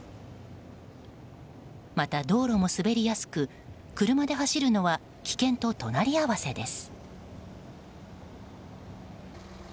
また、道路も滑りやすく車で走るのは危険と隣り合わせです。